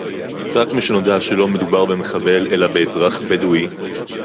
רק משנודע שלא מדובר במחבל אלא באזרח בדואי